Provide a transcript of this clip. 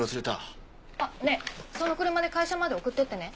その車で会社まで送ってってね。